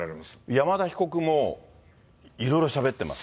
山田被告もいろいろしゃべっています。